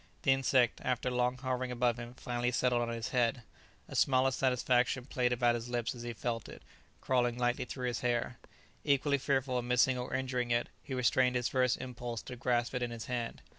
The insect, after long hovering above him, finally settled on his head. A smile of satisfaction played about his lips as he felt it crawling lightly through his hair. Equally fearful of missing or injuring it, he restrained his first impulse to grasp it in his hand.